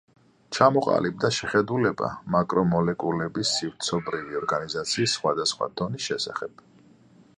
ჩამოყალიბდა შეხედულება მაკრომოლეკულების სივრცობრივი ორგანიზაციის სხვადასხვა დონის შესახებ.